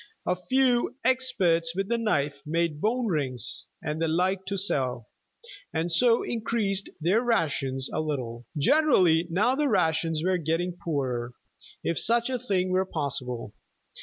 A few, experts with the knife, made bone rings and the like to sell, and so increased their rations a little. Generally now the rations were getting poorer, if such a thing were possible.